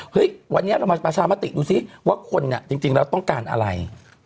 วันนี้เรามาประชามติดูสิว่าคนจริงแล้วต้องการอะไร